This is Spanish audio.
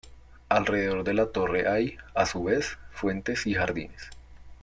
Alrededor de la torre hay, a su vez, fuentes y jardines.